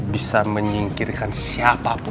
bisa menyingkirkan siapapun